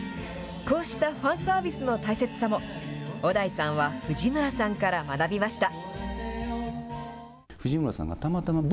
こうしたファンサービスの大切さも、小田井さんは藤村さんから学びました。